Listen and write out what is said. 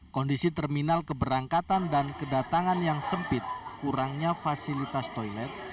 kondisi terminal keberangkatan dan kedatangan yang sempit kurangnya fasilitas toilet